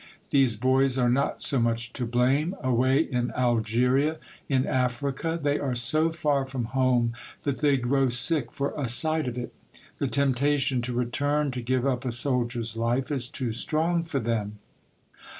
These boys are not so much to blame. Away in Algeria, in Africa, they are so far from home that they grow sick for a sight of it. The temptation to return, to give up a soldier's life, is too strong for them."